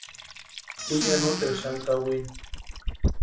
Ju ya noteru xani kawini.